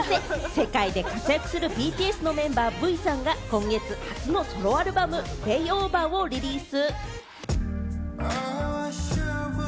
世界で活躍するＢＴＳのメンバー・Ｖさんが、今月初のソロアルバム『Ｌａｙｏｖｅｒ』をリリース。